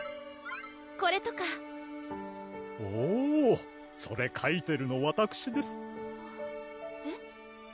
これとかおぉそれ書いてるのわたくしですえっ？